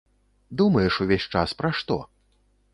Думаеш увесь час пра што?